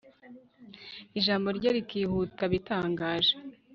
ijambo rye rikihuta bitangaje